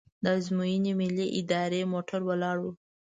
د ازموینې ملي ادارې موټر ولاړ و.